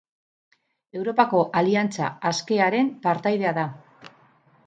Europako Aliantza Askearen partaidea da.